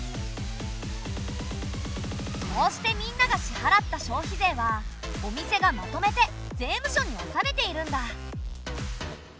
こうしてみんなが支払った消費税はお店がまとめて税務署に納めているんだ。